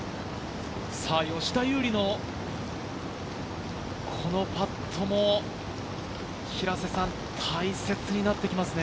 吉田優利のこのパットも大切になってきますね。